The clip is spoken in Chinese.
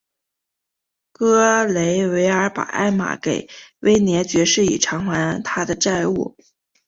格雷维尔把艾玛给威廉爵士以偿还他的债务。